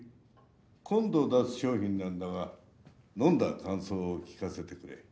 今度出す商品なんだが飲んだ感想を聞かせてくれ。